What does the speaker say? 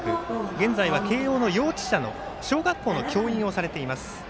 現在は慶応の幼稚舎の小学校の教員をされています。